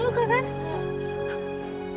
kamu gak ada yang luka kan